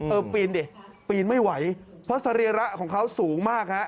ปีนดิปีนไม่ไหวเพราะสรีระของเขาสูงมากฮะ